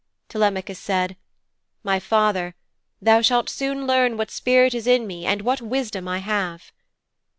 Telemachus said, 'My father, thou shalt learn soon what spirit is in me and what wisdom I have.'